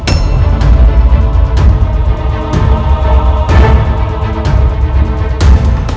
jangan mencari mati